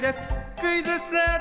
クイズッス。